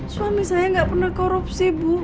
suami saya nggak pernah korupsi bu